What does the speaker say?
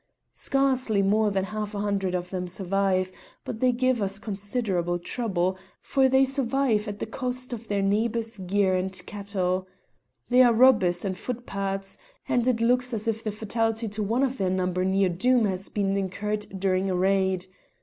Scarcely more than half a hundred of them survive, but they give us considerable trouble, for they survive at the cost of their neighbour's gear and cattle. They are robbers and footpads, and it looks as if the fatality to one of their number near Doom has been incurred during a raid.